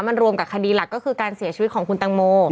มันรวมกับคดีหลักก็คือการเสียชีวิตของคุณตังโม